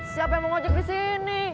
siapa yang mau ojek di sini